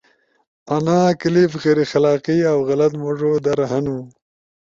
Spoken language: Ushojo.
انا کلپ غیر اخلاقی اؤ غلط موڙو در ہنو